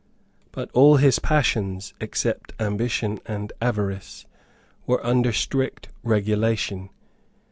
But all his passions, except ambition and avarice, were under strict regulation.